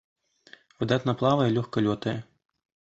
Выдатна плавае і лёгка лётае.